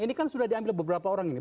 ini kan sudah diambil beberapa orang ini